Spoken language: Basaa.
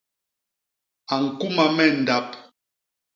A ñkuma me ndap.